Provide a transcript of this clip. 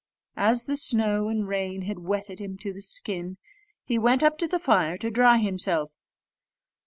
As the snow and rain had wetted him to the skin, he went up to the fire to dry himself.